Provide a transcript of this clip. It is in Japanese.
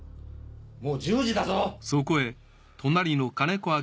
もう１０時だぞ。